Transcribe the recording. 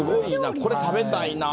これ、食べたいなぁ。